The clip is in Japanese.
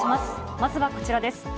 まずはこちらです。